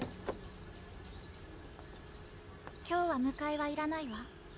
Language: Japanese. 今日はむかえはいらないわ